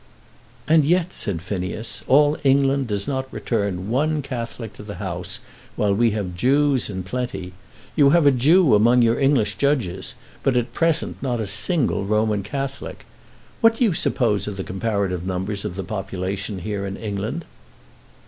"And yet," said Phineas, "all England does not return one Catholic to the House, while we have Jews in plenty. You have a Jew among your English judges, but at present not a single Roman Catholic. What do you suppose are the comparative numbers of the population here in England?"